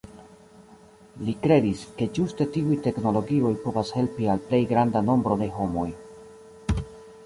Li kredis, ke ĝuste tiuj teknologioj povas helpi al plej granda nombro de homoj.